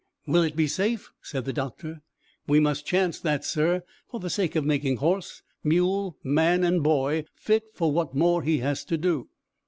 "Will it be safe?" said the doctor. "We must chance that, sir, for the sake of making horse, mule, man and boy fit for what more he has to do."